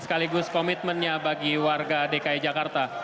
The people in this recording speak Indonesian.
sekaligus komitmennya bagi warga dki jakarta